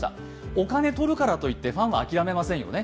お金取るからといって、ファンは諦めませんよね。